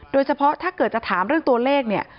โดยเฉพาะถ้าเกิดจะถามเรื่องตัวเลข